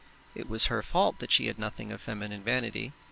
It was her fault that she had nothing of feminine vanity.